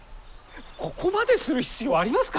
ここまでする必要ありますか？